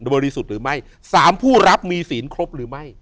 ริสุทธิ์หรือไม่สามผู้รับมีศีลครบหรือไม่